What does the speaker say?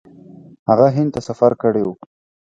هغه هند ته سفر کړی و.